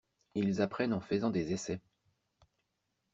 Ils apprennent en faisant des essais.